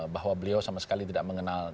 bahwa beliau sama sekali tidak mengenal